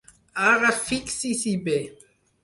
Ara fixi-s'hi bé.